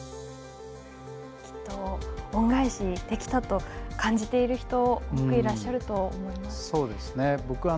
恩返しできたと感じている人は多くいらっしゃると思います。